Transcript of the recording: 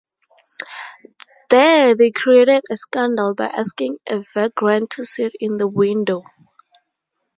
There they created a scandal by asking a vagrant to sit in the window.